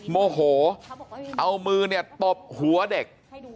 โมโหเอามือปบหัวเด็ก